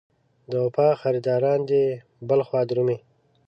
د وفا خریداران دې بل خوا درومي.